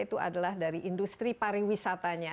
itu adalah dari industri pariwisatanya